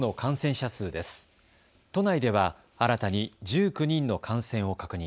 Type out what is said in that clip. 都内では新たに１９人の感染を確認。